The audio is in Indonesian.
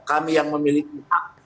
kami yang memiliki hak